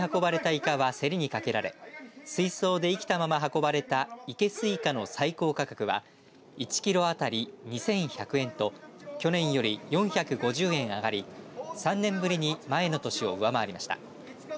イカは競りにかけられ水槽で生きたまま運ばれた生けすイカの最高価格は１キロ当たり２１００円と去年より４５０円上がり３年ぶりに前の年を上回りました。